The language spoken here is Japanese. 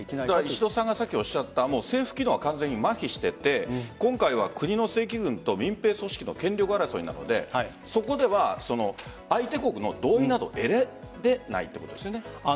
石戸さんがおっしゃった政府機能が完全に麻痺していて今回は国の正規軍と民兵組織の権力争いなのでそこでは相手国の同意などを得られないということですよね。